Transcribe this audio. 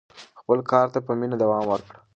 خپل کار ته په مینه دوام ورکړه.